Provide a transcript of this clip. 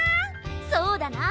そうだな。